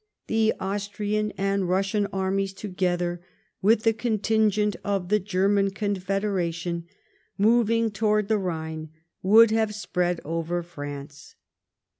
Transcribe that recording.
The Austrian and Eussian armies together, with the contingent of the German Confederation, moving towards the Eliine, would have spread over France.